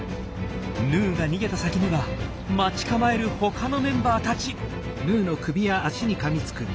ヌーが逃げた先には待ち構える他のメンバーたち。